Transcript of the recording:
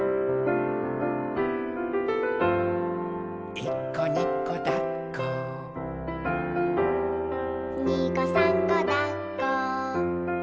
「いっこにこだっこ」「にこさんこだっこ」